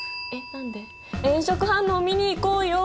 炎色反応見に行こうよ！